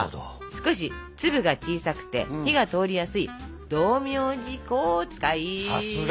少し粒が小さくて火が通りやすい道明寺粉を使います。